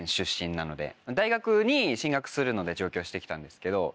大学に進学するので上京して来たんですけど。